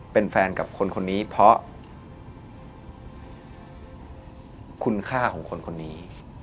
เป็นแฟนกับคนคนนี้เพราะคุณค่าของคนคนนี้